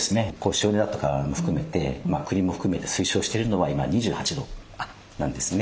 省エネだとか国も含めて推奨しているのは今２８度なんですね。